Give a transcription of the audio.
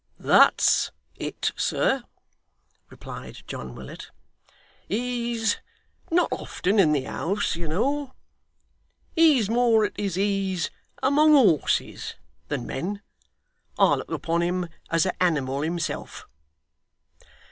'That's it, sir,' replied John Willet. 'He's not often in the house, you know. He's more at his ease among horses than men. I look upon him as a animal himself.